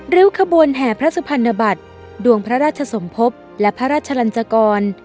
ริ้วขบวนแห่พระสุพรรณบัตรดวงพระราชสมภพและพระราชลันจกร